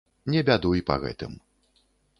Не бядуй па гэтым.